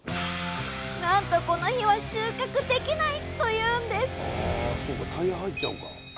なんとこの日は収穫できないというんですあそうかタイヤ入っちゃうか。